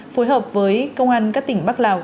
phối hợp với công an các tỉnh bắc lào